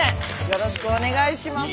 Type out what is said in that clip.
よろしくお願いします。